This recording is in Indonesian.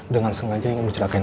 dengan sengaja ingin mencelakai